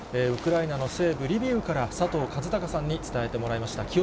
ウクライナの西部リビウから、佐藤和孝さんに伝えてもらいました。